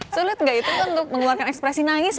sulit nggak itu untuk mengeluarkan ekspresi nangis